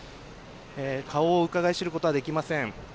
顔をうかがい知ることはできません。